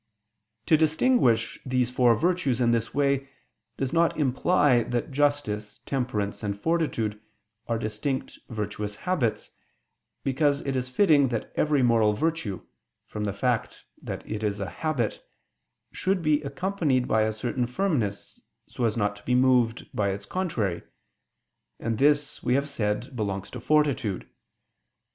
To distinguish these four virtues in this way does not imply that justice, temperance and fortitude are distinct virtuous habits: because it is fitting that every moral virtue, from the fact that it is a habit, should be accompanied by a certain firmness so as not to be moved by its contrary: and this, we have said, belongs to fortitude.